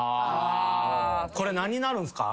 これ何になるんすか？